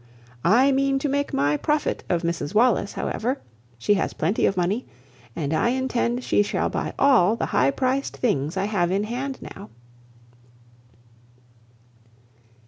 I mean to make my profit of Mrs Wallis, however. She has plenty of money, and I intend she shall buy all the high priced things I have in hand now."